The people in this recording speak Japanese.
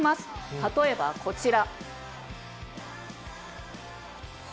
例えばこちら。